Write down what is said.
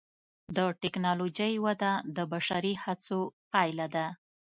د ټکنالوجۍ وده د بشري هڅو پایله ده.